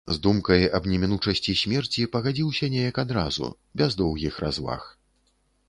З думкай аб немінучасці смерці пагадзіўся неяк адразу, без доўгіх разваг.